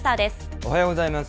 おはようございます。